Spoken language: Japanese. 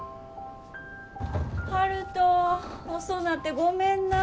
悠人遅なってごめんな。